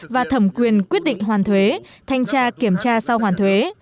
và thẩm quyền quyết định hoàn thuế thanh tra kiểm tra sau hoàn thuế